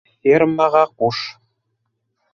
Фермаға ҡуш.